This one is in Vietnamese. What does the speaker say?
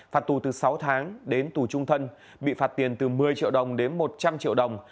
phạt tù từ sáu tháng đến tù trung thân bị phạt tiền từ một mươi triệu đồng đến một trăm linh triệu đồng